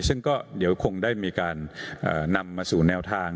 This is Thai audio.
ซึ่งก็เดี๋ยวคงได้มีการนำมาสู่แนวทาง